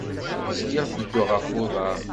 Zgiɣ tedduɣ ɣef uḍar.